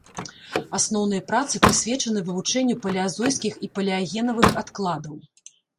Асноўныя працы прысвечаны вывучэнню палеазойскіх і палеагенавых адкладаў.